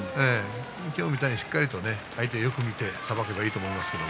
今日みたいにしっかりと相手をよく見て相撲を取ればいいと思います。